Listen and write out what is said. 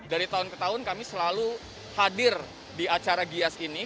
dari tahun ke tahun kami selalu hadir di acara gias ini